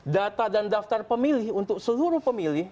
data dan daftar pemilih untuk seluruh pemilih